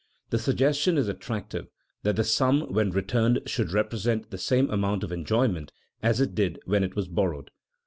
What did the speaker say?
The suggestion is attractive that the sum when returned should represent the same amount of enjoyment as it did when it was borrowed.